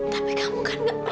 tapi kamu kan gak